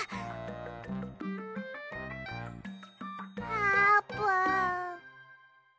あーぷん。